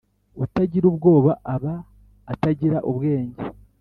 Utagira ubwoba aba atagra ubwenge.